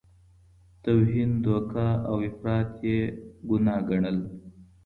توهین، دوکه او افراط یې ګناه ګڼل.